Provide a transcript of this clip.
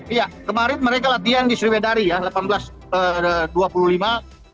iya kemarin mereka latihan di sriwedari ya delapan belas perhubungan